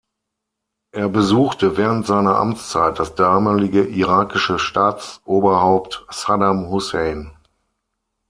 Er besuchte während seiner Amtszeit das damalige irakische Staatsoberhaupt Saddam Hussein.